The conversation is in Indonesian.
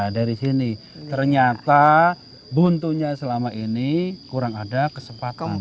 dari sini ternyata buntunya selama ini kurang ada kesempatan